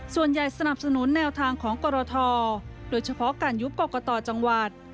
สนับสนุนแนวทางของกรทโดยเฉพาะการยุบกรกตจังหวัด